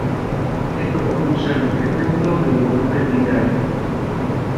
Esto conduce al incremento del volumen urinario.